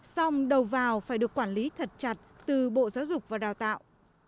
xong đầu vào phải được quản lý thật chặt từ bộ giáo dục và đào tạo